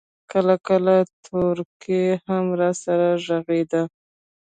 کله کله تورکى هم راسره ږغېده.